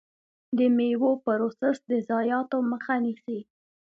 د میوو پروسس د ضایعاتو مخه نیسي.